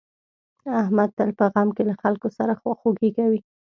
احمد تل په غم کې له خلکو سره خواخوږي کوي.